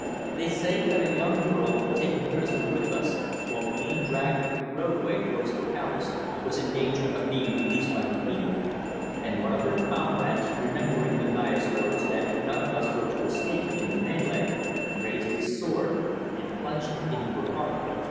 They say that a young girl, taken prisoner with us, while being dragged up the roadway towards the palace was in danger of being released by the people, and one of their comrades, remembering the Naya's orders that none of us were to escape, in the mêlée raised his sword and plunged it into her heart."